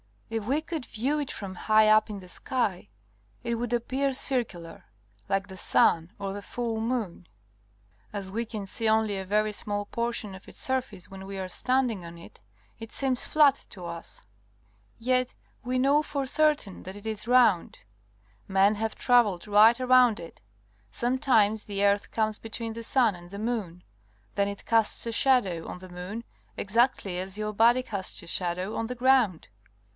If we could view it from high up in the sky, it would appear circular, like the sun or the full moon. As we can see only a very small portion of its surface when we are standing on it, it seems flat to us. Yet we know for certain that it is round. Men have travelled right around it. Some times the earth comes between the sun and the moon. Then it casts a shadow on the moon, exactly as your body casts a shadow on the ground.